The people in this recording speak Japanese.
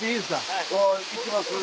・はい・うわ行きます？